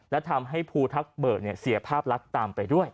และทำให้ภูทักเบิกเสียภาพลักษณ์ตามไปด้วย